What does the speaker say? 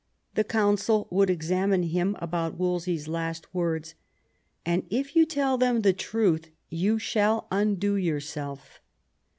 The Council would examine him about Wolse/s last words ;" and if you tell them the truth you shall undo your self.''